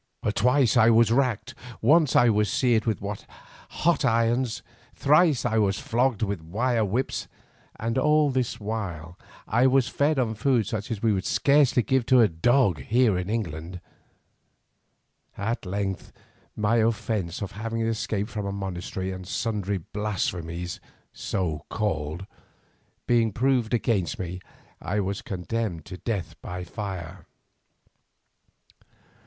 "Twice I was racked, once I was seared with hot irons, thrice I was flogged with wire whips, and all this while I was fed on food such as we should scarcely offer to a dog here in England. At length my offence of having escaped from a monastery and sundry blasphemies, so called, being proved against me, I was condemned to death by fire.